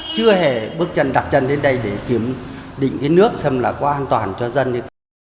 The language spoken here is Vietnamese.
chưa hề bước chân đặt chân đến đây để kiểm định cái nước xâm là có an toàn cho dân